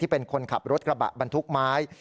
เป็นคนขับรถกระบะบรรทุกไม้